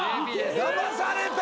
だまされた！